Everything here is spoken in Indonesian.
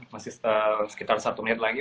masih sekitar satu menit lagi